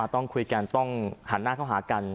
ต้องคุยกันต้องหันหน้าเข้าหากัน